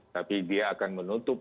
tapi dia akan menutup